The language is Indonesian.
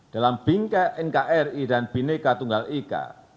dalam bingkai nkri dan bineka tunggal ika